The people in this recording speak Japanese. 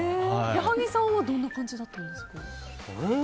矢作さんはどんな感じだったんですか？